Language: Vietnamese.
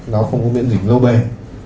nó không có miễn dịch lâu bền